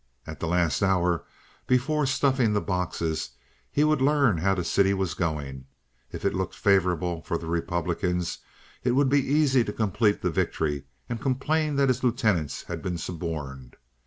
At the last hour, before stuffing the boxes, he would learn how the city was going. If it looked favorable for the Republicans it would be easy to complete the victory and complain that his lieutenants had been suborned.